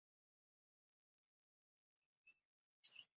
“Eky'okwebikka kirintwala ekipaalo nga” nga ne jalikijja amanyi yo .